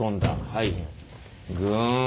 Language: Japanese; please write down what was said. はいグン。